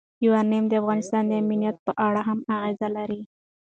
یورانیم د افغانستان د امنیت په اړه هم اغېز لري.